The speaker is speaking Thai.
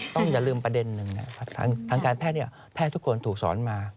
ต้องจะลืมประเด็นหนึ่งนะครับทางการแพทย์เนี่ยแพทย์ทุกคนถูกสอนมา